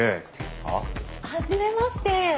はあ？はじめまして。